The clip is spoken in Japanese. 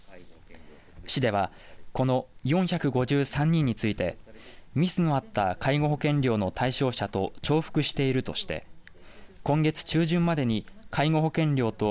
市では、この４５３人についてミスのあった介護保険料の対象者と重複しているとして今月中旬までに介護保険料と